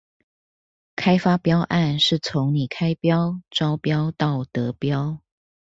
開發標案是從你開標、招標到得標